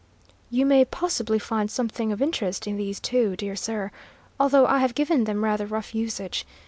"You may possibly find something of interest in these, too, dear sir, although I have given them rather rough usage.